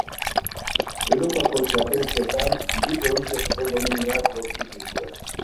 Europako Txapelketan bi brontzezko domina lortu zituen.